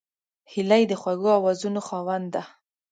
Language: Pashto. هیلۍ د خوږو آوازونو خاوند ده